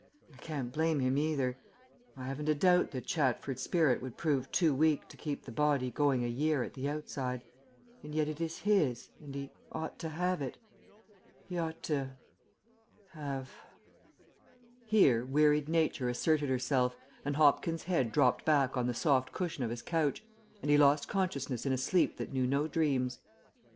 I can't blame him either. I haven't a doubt that Chatford's spirit would prove too weak to keep the body going a year at the outside, and yet it is his, and he ought to have it. He ought to have " Here wearied Nature asserted herself, and Hopkins' head dropped back on the soft cushion of his couch, and he lost consciousness in a sleep that knew no dreams.